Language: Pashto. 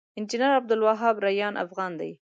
انجنير عبدالوهاب ريان افغان دی